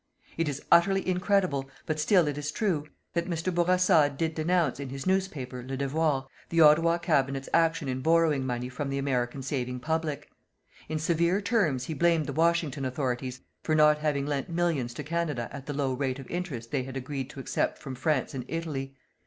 It is utterly incredible but still it is true that Mr. Bourassa did denounce in his newspaper Le Devoir, the Ottawa Cabinet's action in borrowing money from the American saving public. In severe terms he blamed the Washington Authorities for not having lent millions to Canada at the low rate of interest they had agreed to accept from France and Italy.